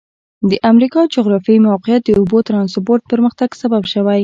د امریکا جغرافیایي موقعیت د اوبو ترانسپورت پرمختګ سبب شوی.